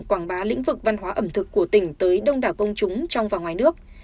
quảng bá lĩnh vực văn hóa ẩm thực của tỉnh tới đông đảo công chúng trong và ngoài nước